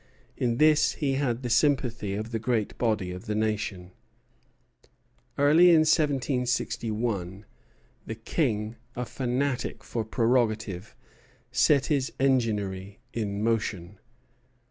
In this he had the sympathy of the great body of the nation. Early in 1761 the King, a fanatic for prerogative, set his enginery in motion.